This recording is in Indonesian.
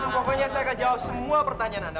pokoknya saya akan jawab semua pertanyaan anda